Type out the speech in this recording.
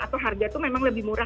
atau harga itu memang lebih murah